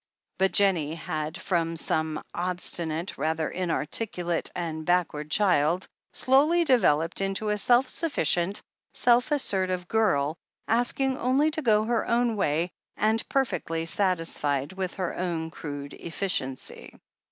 But Jennie had, from an obstinate, rather inarticulate, and backward child, slowly developed into a self sufficient, self assertive girl, asking only to go her own way, and perfectly satisfied with her own crude efficiency.